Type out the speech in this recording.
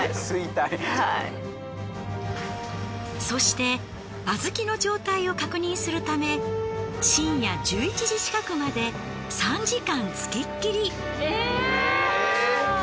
そして小豆の状態を確認するため深夜１１時近くまで３時間つきっきり。